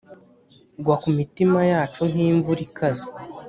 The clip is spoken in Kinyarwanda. gwa ku mitima yacu nk'imvura ikaze